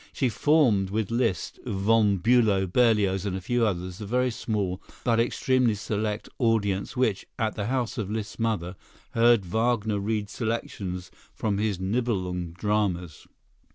She formed with Liszt, Von Bülow, Berlioz and a few others the very small, but extremely select, audience which, at the house of Liszt's mother, heard Wagner read selections from his "Nibelung" dramas.